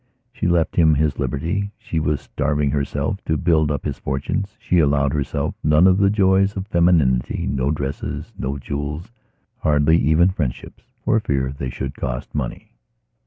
She left him his liberty; she was starving herself to build up his fortunes; she allowed herself none of the joys of femininityno dresses, no jewelshardly even friendships, for fear they should cost money.